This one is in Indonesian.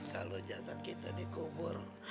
kalau jasad kita dikubur